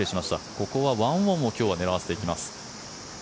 ここは１オンを今日は狙っていきます。